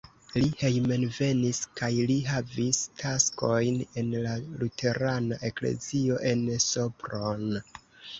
Li hejmenvenis kaj li havis taskojn en la luterana eklezio en Sopron.